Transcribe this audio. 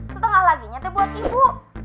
setengah lagi nya teh buat ibu